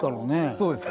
そうです。